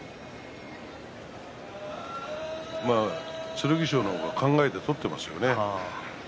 剣翔の方が考えて取ってますよね。